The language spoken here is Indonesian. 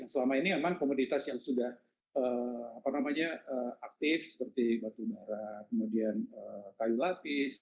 selama ini memang komoditas yang sudah aktif seperti batu bara kemudian kayu lapis